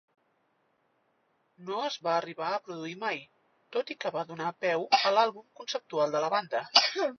No es va arribar a produir mai, tot i que va donar peu a l'àlbum conceptual de la banda.